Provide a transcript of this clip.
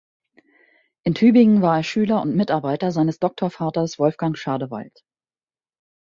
In Tübingen war er Schüler und Mitarbeiter seines Doktorvaters Wolfgang Schadewaldt.